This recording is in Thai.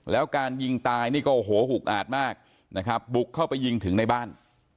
แล้วการยิงตายนี่ก็โอ้โหหุกอาจมากนะครับบุกเข้าไปยิงถึงในบ้าน